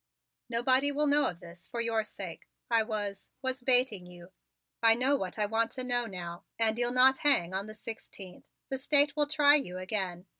"Nobody will know of this, for your sake. I was was baiting you. I know what I want to know now and you'll not hang on the sixteenth. The State will try you again.